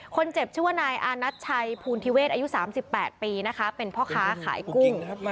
คนเจ็บเชื่อวนายอัทชัยพูนธิเวทอะอยู่๓๘ปีเป็นพ่อค้าขายกุ้ง